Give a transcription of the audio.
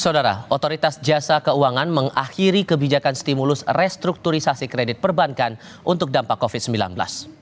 saudara otoritas jasa keuangan mengakhiri kebijakan stimulus restrukturisasi kredit perbankan untuk dampak covid sembilan belas